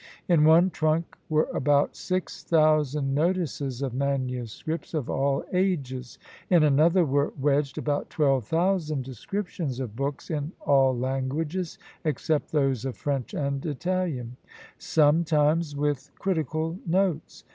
"In one trunk were about six thousand notices of MSS. of all ages. In another were wedged about twelve thousand descriptions of books in all languages, except those of French and Italian; sometimes with critical notes.